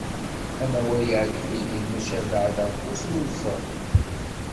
Amawal yeɛǧeb-iyi maca beɛɛed ɣef usmuzzeɣ.